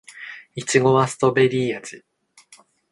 いちごはストベリー味